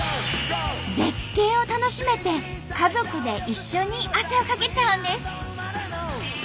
絶景を楽しめて家族で一緒に汗をかけちゃうんです！